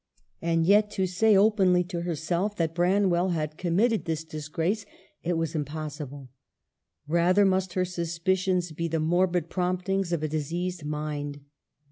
And yet to say openly to herself that Bran well had committed this disgrace — it was impossible. Rather must her suspicions be the morbid promptings of a diseased mind.